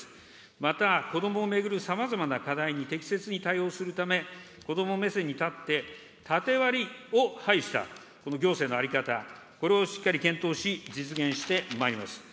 また、子どもを巡るさまざまな課題に適切に対応するため、子ども目線に立って、縦割りを排した行政の在り方、これをしっかり検討し、実現してまいります。